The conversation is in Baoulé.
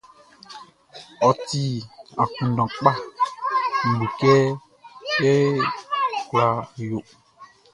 Ôti akunndan kpa, Nʼbu kɛ ye kula yo.